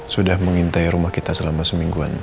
sudah mengintai rumah kita selama semingguan